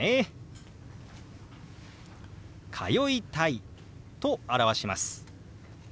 「通いたい」と表します。